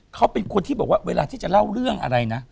เขาเป็นคนที่บอกว่าเวลาที่จะเล่าเรื่องอะไรนะ